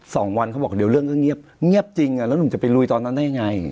สองวันเขาบอกเดี๋ยวเรื่องก็เงียบเงียบจริงอ่ะแล้วหนุ่มจะไปลุยตอนนั้นได้ยังไง